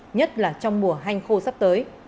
nhất là trong mùa hanh khô sắp tới